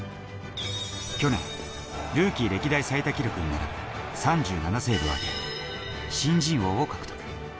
去年、ルーキー歴代最多記録に並ぶ３７セーブを挙げ、新人王を獲得。